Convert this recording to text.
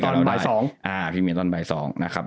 ก็พิเมียตอนบ่าย๒